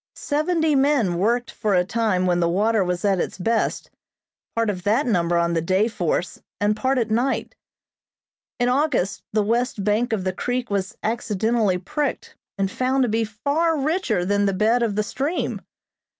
Seventy men worked for a time when the water was at its best, part of that number on the day force and part at night. In August the west bank of the creek was accidentally pricked and found to be far richer than the bed of the stream.